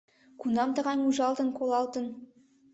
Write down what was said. Кунам тыгайым ужалтын, колалтын?